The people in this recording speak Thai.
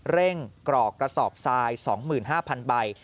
กรอกกระสอบทราย๒๕๐๐๐ใบ